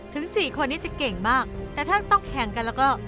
สี่คนนี้จะเก่งมากแต่ถ้าต้องแข่งกันแล้วก็